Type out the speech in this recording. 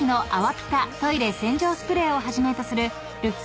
ピタトイレ洗浄スプレーをはじめとするルック